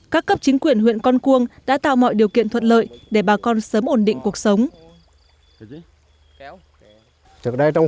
các cấp chính quyền huyện con cuông đã tạo mọi điều kiện thuận lợi để bà con sớm ổn định cuộc sống